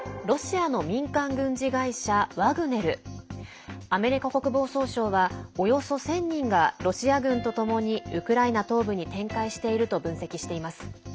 アメリカ国防総省はおよそ１０００人がロシア軍とともにウクライナ東部に展開していると分析しています。